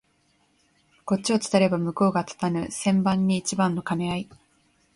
こっちを立てれば向こうが立たぬ千番に一番の兼合い